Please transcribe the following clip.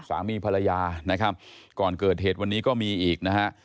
สามีภรรยานะครับก่อนเกิดเหตุวันนี้ก็มีอีกนะฮะ